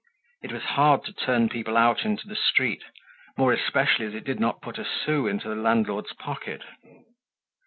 It was hard to turn people out into the street, more especially as it did not put a sou into the landlord's pocket.